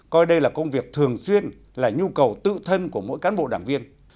coi đây là công việc thường xuyên là nhu cầu tự thân của mỗi cán bộ đảng viên